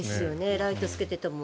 ライトをつけていても。